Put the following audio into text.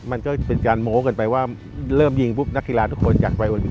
มันก็เป็นการโม้กันไปว่าเริ่มยิงนักธิราทุกคนอยากไปออนตรีปิก